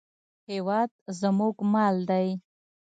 هېواد زموږ مال دی